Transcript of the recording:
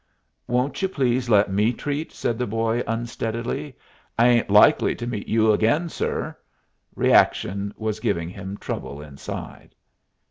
"Won't you please let me treat?" said the boy, unsteadily. "I ain't likely to meet you again, sir." Reaction was giving him trouble inside.